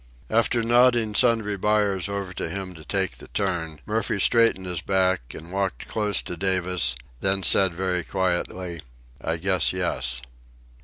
After nodding Sundry Buyers over to him to take the turn Murphy straightened his back and walked close to Davis, then said very quietly: "I guess yes."